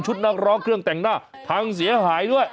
นักร้องเครื่องแต่งหน้าพังเสียหายด้วย